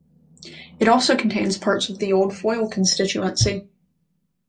It also contains parts of the old Foyle constituency.